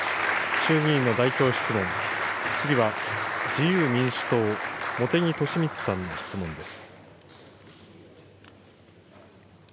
衆議院の代表質問、次は自由民主党、茂木敏充さんの質問です。